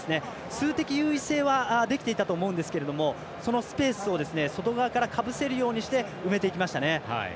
数的優位性はできていたと思うんですけれどもそのスペースを外側からかぶせるように埋めていきましたね。